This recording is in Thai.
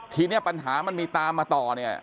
ทีนี้ปัญหามันมีตามมาต่อเนี่ย